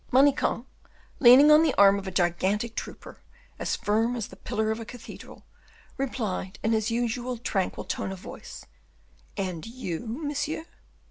Manicamp, leaning on the arm of a gigantic trooper, as firm as the pillar of a cathedral, replied in his usual tranquil tone of voice, "And you, monsieur?"